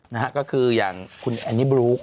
นะฮะก็คืออย่างคุณแอนนี่บลู